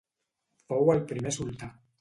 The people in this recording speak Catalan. Fou el primer sultà.